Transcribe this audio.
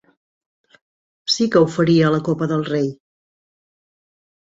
Sí que ho faria a la Copa del Rei.